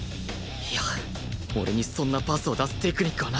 いや俺にそんなパスを出すテクニックはない